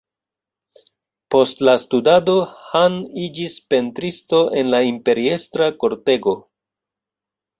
Post la studado, Han iĝis pentristo en la imperiestra kortego.